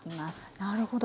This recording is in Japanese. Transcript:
なるほど。